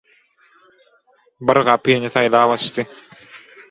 Bir gapyny saýlap açdy.